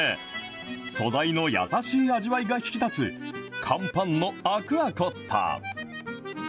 素材の優しい味わいが引き立つ乾パンのアクアコッタ。